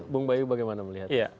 bung bayu bagaimana melihatnya